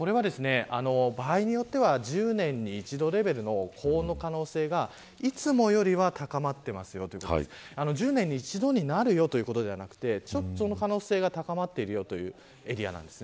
場合によっては１０年に１度レベルの高温の可能性がいつもよりは高まっているよということで１０年に１度になるということではなくて可能性が高まっているというエリアです。